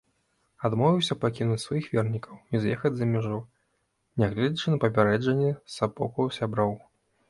Адмовіўся пакінуць сваіх вернікаў і з'ехаць за мяжу, нягледзячы на папярэджанні са боку сяброў.